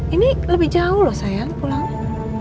ini lebih jauh loh saya pulangnya